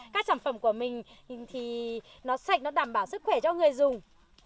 các sản phẩm của mình thì nó sạch nó đảm bảo sức khỏe cho người dùng